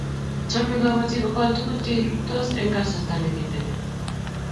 Chomei kabotik kokol tukuk che rurtos eng kasarta ne kitegen.